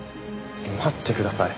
待ってください。